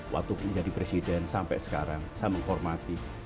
waktu menjadi presiden sampai sekarang saya menghormati